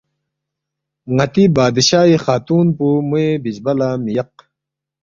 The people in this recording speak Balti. ن٘تی بادشائی خاتُون پو موے بِزبا لہ مِہ یق